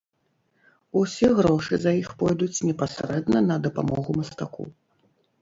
Усе грошы за іх пойдуць непасрэдна на дапамогу мастаку.